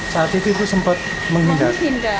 saat itu aku sempat menghindar